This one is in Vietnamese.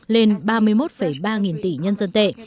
lên ba mươi một ba nghìn tỷ nhân dân tệ